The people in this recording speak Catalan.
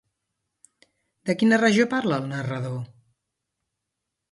De quina regió parla el narrador?